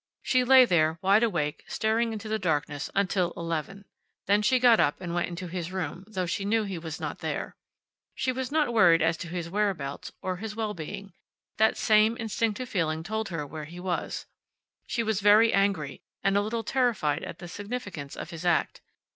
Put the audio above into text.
She lay there, wide awake, staring into the darkness until eleven. Then she got up and went into his room, though she knew he was not there. She was not worried as to his whereabouts or his well being. That same instinctive feeling told her where he was. She was very angry, and a little terrified at the significance of his act.